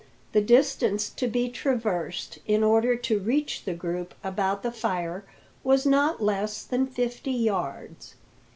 The distance to be traversed in order to reach the group about the fire was not less than fifty yards.